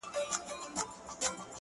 خدايه زارۍ کومه سوال کومه ـ